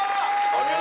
お見事！